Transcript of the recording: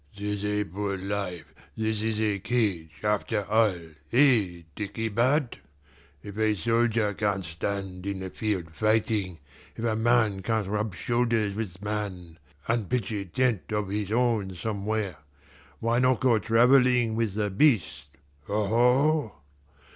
"'Tis a poor life, this in a cage, after all eh, dickey bird? If a soldier can't stand in the field fighting, if a man can't rub shoulders with man, and pitch a tent of his own somewhere, why not go travelling with the Beast aho?